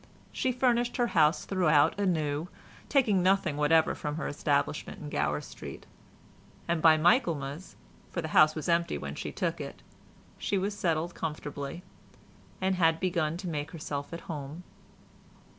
She furnished her house throughout anew, taking nothing whatever from her establishment in Gower Street, and by Michaelmas—for the house was empty when she took it—she was settled comfortably, and had begun to make herself at home.